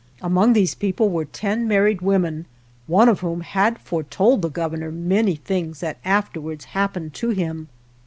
Among these people were ten mar ried women, one of whom had foretold the Governor many things that afterwards hap pened to him.